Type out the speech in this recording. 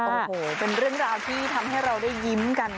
โอ้โหเป็นเรื่องราวที่ทำให้เราได้ยิ้มกัน